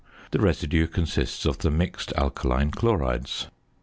The residue consists of the mixed alkaline chlorides.